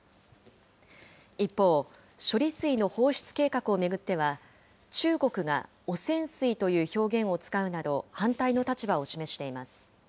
一方、処理水の放出計画を巡っては、中国が汚染水という表現を使うなど、反対の立場を示しています。